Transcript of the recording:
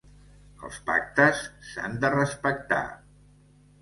Els pactes s'han de respectar.